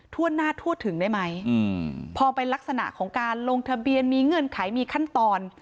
ทั่วหน้าทั่วถึงได้ไหมพอเป็นลักษณะของการลงทะเบียนมีเงื่อนไขมีขั้นตอน